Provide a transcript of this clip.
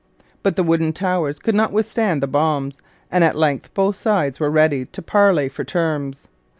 But the wooden towers could not withstand the bombs, and at length both sides were ready to parley for terms.